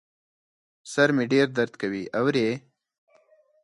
سر مي ډېر درد کوي ، اورې ؟